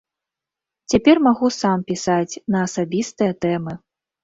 Цяпер магу сам пісаць на асабістыя тэмы.